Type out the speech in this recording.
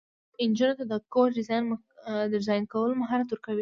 تعلیم نجونو ته د کور ډیزاین کولو مهارت ورکوي.